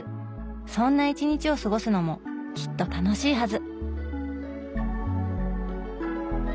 そんな一日を過ごすのもきっと楽しいはず。